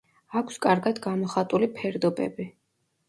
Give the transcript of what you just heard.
აქვს კარგად გამოხატული ფერდობები.